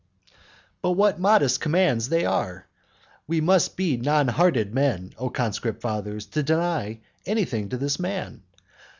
But what modest commands they are! We must be non hearted men, O conscript fathers, to deny anything to this man!